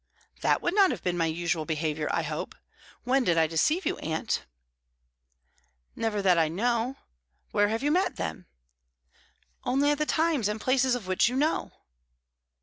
"That would not have been my usual behaviour, I hope. When did I deceive you, aunt?" "Never, that I know. Where have you met then?" "Only at the times and places of which you know."